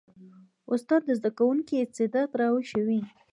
استاد د زده کوونکي استعداد راویښوي.